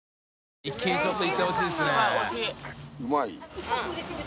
一気にちょっといってほしいですね。